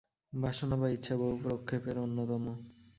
বাসনা বা ইচ্ছা বহু প্রক্ষেপের অন্যতম।